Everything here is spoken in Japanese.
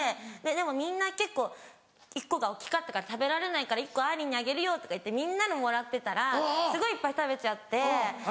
でもみんな結構１個が大っきかったから「食べられないから１個あーりんにあげるよ」とか言ってみんなのもらってたらすごいいっぱい食べちゃって。